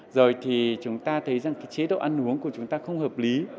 rồi thì chúng ta thấy rằng cái chế độ ăn uống của chúng ta không hợp lý